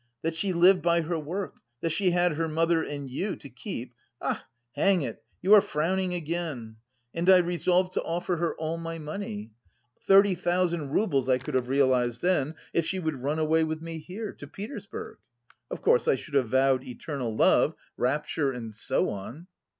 that she lived by her work, that she had her mother and you to keep (ach, hang it, you are frowning again), and I resolved to offer her all my money thirty thousand roubles I could have realised then if she would run away with me here, to Petersburg. Of course I should have vowed eternal love, rapture, and so on.